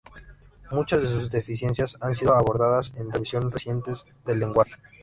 Muchas de sus deficiencias han sido abordadas en revisiones recientes del lenguaje.